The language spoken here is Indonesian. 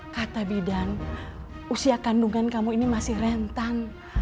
kata bidan usia kandungan kamu ini masih rentan